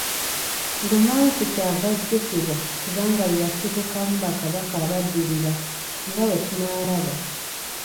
Lumansi kyava ajjukirwa kubanga ye yasibukamu Bakabaka abaddirira nga bwe tunaalaba.